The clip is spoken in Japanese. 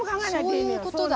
そういうことだ。